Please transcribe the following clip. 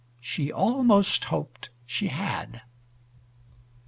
She almost hoped she had.